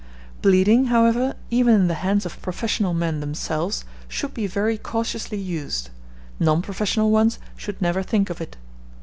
Bleeding, however, even in the hands of professional men themselves, should be very cautiously used non professional ones should never think of it.